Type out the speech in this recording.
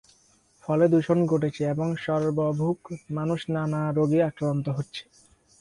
ফলে দূষন ঘটছে এবং সর্বভুক মানুষ নানা রোগে আক্রান্ত হচ্ছে।